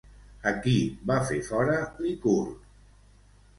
A qui va fer fora Licurg?